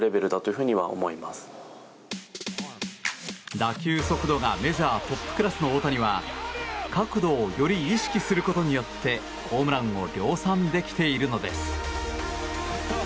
打球速度がメジャートップクラスの大谷は角度をより意識することによってホームランを量産できているのです。